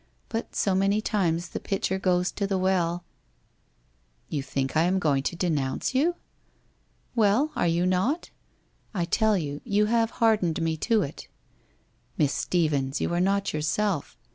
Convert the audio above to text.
But so many times the pitcher goes to the well '' You think I am going to denounce you ?' 'Well, are you not? I tell you, you have hardened me to it' 1 Miss Stephens, you are not yourself.